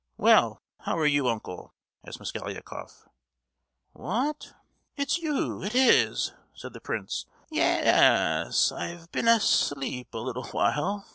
"Well, how are you, uncle?" asked Mosgliakoff. "What, it's you, is it!" said the prince. "Ye—yes; I've been as—leep a little while!